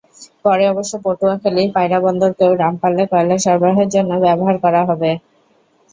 পরে অবশ্য পটুয়াখালীর পায়রা বন্দরকেও রামপালে কয়লা সরবরাহের জন্য ব্যবহার করা যাবে।